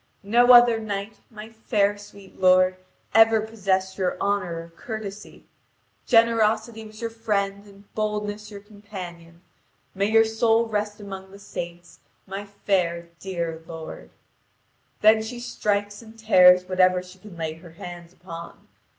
No other knight, my fair sweet lord, ever possessed your honour or courtesy. Generosity was your friend and boldness your companion. May your soul rest among the saints, my fair dear lord." Then she strikes and tears whatever she can lay her hands upon.